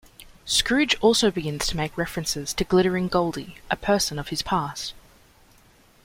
Scrooge also begins to make references to "Glittering Goldie", a person of his past.